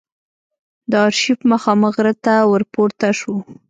د آرشیف مخامخ غره ته ور پورته شوو.